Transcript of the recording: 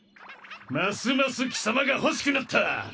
ますます貴様が欲しくなった！